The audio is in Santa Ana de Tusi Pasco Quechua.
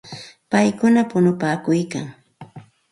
Paykuna punupaakuykalkan.